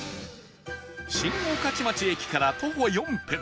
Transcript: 新御徒町駅から徒歩４分